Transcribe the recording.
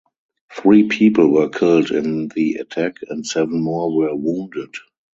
Three people were killed in the attack and seven more were wounded.